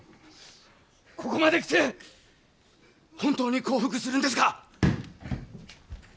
ここまできて本当に降伏するんですか！？